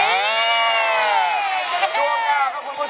ช่วยกันด้วย